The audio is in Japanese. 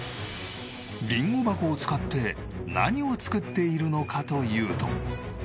りんご箱を使って何を作っているのかというと。